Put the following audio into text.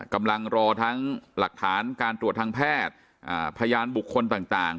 กำลังรอทั้งหลักฐานการตรวจทางแพทย์พยานบุคคลต่าง